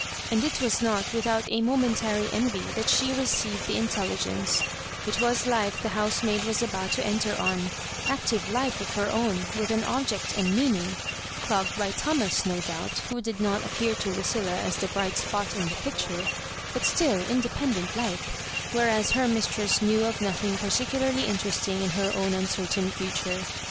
And it was not without a momentary envy that she received the iutelli genca It was life the housemaid was about to enter on — ^active life of her own, with an object and meanmg— clogged by Thomas, no doubt, who did not appear to Lucilla as the bright spot in the picture— but still independent lile ; whereas her mistress knew of nothing particularly mterest ing in her own uncertain future.